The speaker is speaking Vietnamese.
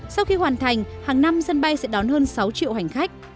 sau khi hoàn thành hàng năm sân bay sẽ đón hơn sáu triệu hành khách